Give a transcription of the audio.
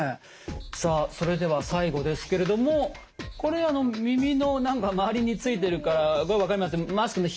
さあそれでは最後ですけれどもこれ耳の周りについてるからこれ分かります。